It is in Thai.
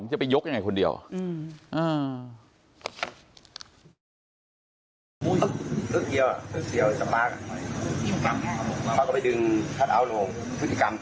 มันจะไปยกยังไงคนเดียวอืมอืม